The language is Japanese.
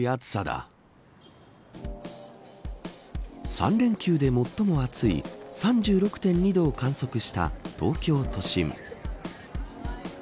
３連休で最も暑い３６．２度を観測した東京都心。